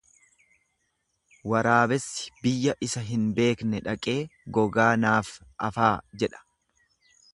Waraabessi biyya isa hin beekne dhaqee gogaa naaf afaa jedha.